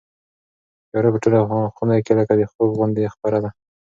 تیاره په ټوله خونه کې لکه د خوب غوندې خپره ده.